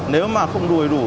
nếu mà không đuổi đủ